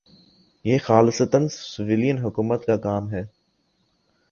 یہ خالصتا سویلین حکومت کا کام ہے۔